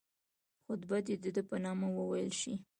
خطبه دي د ده په نامه وویل شي.